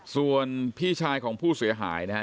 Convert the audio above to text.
ส่วนพี่ชายของผู้เสียหายนะฮะ